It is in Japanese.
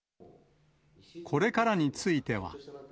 これからについては。